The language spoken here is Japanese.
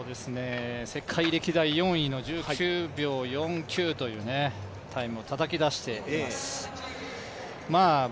世界歴代４位の１９秒４９というタイムをたたき出しています。